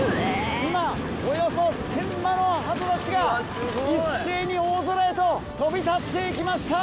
今およそ１０００羽の鳩たちが一斉に大空へと飛び立って行きました。